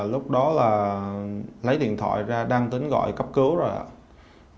lúc đó là lấy điện thoại ra đăng tính gọi cấp cứu rồi ạ